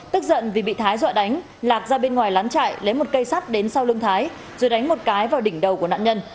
tức giận vì bị thái dọa đánh lạc ra bên ngoài lán chạy lấy một cây sắt đến sau lưng thái rồi đánh một cái vào đỉnh đầu của nạn nhân